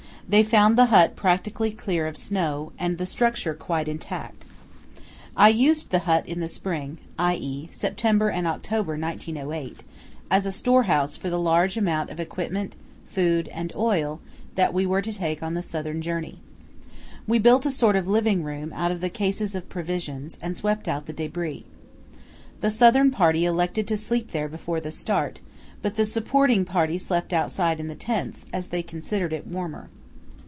They found the hut practically clear of snow, and the structure quite intact. I used the hut in the spring, i.e. September and October 1908, as a storehouse for the large amount of equipment, food, and oil that we were to take on the Southern journey. We built a sort of living room out of the cases of provisions, and swept out the debris. The Southern Party elected to sleep there before the start, but the supporting party slept outside in the tents, as they considered it warmer.